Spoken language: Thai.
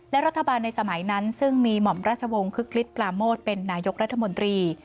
และรัฐบาลในสมัยนั้นซึ่งมีหม่อมราชวงศ์คึกฤทธปราโมทเป็นนายกรัฐมนตรี